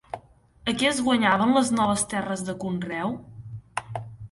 A qui es guanyaven les noves terres de conreu?